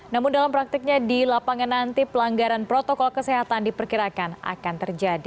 namun dalam praktiknya di lapangan nanti pelanggaran protokol kesehatan diperkirakan akan terjadi